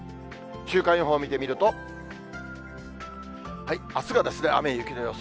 週間予報見てみると、あすがですね、雨や雪の予想。